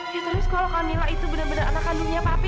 ya terus kalau kamila itu benar benar anak kandungnya papi